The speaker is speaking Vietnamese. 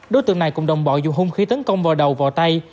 đối tượng này cùng đồng bọn dùng hung khí tấn công vào đầu vào tay